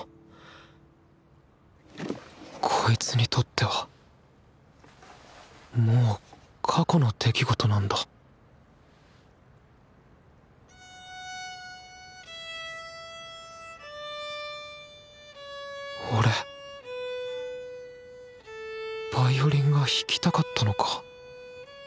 こいつにとってはもう「過去の出来事」なんだ俺ヴァイオリンが弾きたかったのか？